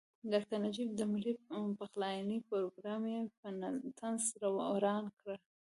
د ډاکټر نجیب د ملي پخلاینې پروګرام یې په طنز وران کړ.